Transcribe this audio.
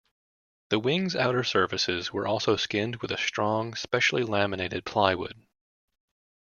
The wings' outer surfaces were also skinned with a strong, specially laminated plywood.